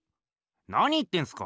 なに言ってんすか？